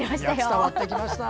伝わってきました。